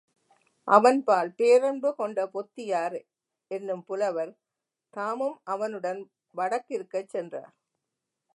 அவன்பால் பேரன்பு கொண்ட பொத்தியார் என்னும் புலவர் தாமும் அவ னுடன் வடக்கிருக்கச் சென்றார்.